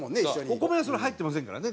お米はそれ入ってませんからね。